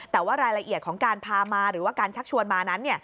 แต่ว่ารายละเอียดของการพามาหรือว่าการชักชวนมานั้น